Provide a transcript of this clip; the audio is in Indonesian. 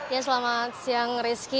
ya selamat siang rizky